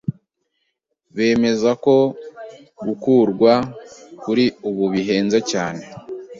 bemeza ko gukwa kuri ubu bihenze cyane